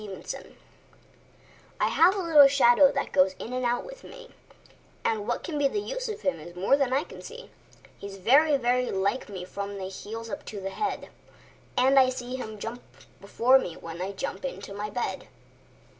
My Shadow I HAVE a little shadow that goes in and out with me, And what can be the use of him is more than I can see. He is very, very like me from the heels up to the head; And I see him jump before me, when I jump into my bed.